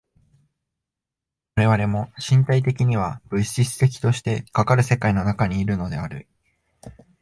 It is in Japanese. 我々も身体的には物質的としてかかる世界の中にいるのであり、